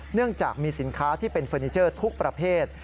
เนื่องจากมีสินค้าที่เป็นเฟอร์นิเจอร์ทุกประเภท